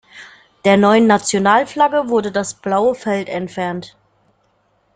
Der neuen Nationalflagge wurde das blaue Feld entfernt.